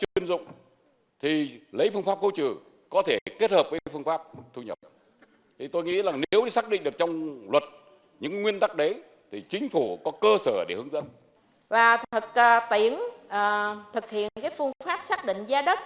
để chính phủ có cơ sở hướng dẫn thực hiện đã được nhiều đại biểu quan tâm và cho ý kiến